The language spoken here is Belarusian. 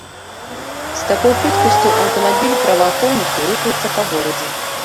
З такой хуткасцю аўтамабіль праваахоўнікаў рухаецца па горадзе.